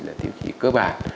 là tiêu chí cơ bản